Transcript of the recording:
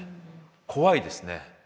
怖いですね。